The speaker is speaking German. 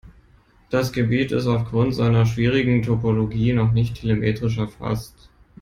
Das Gebiet ist aufgrund seiner schwierigen Topologie noch nicht telemetrisch erfasst.